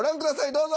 どうぞ。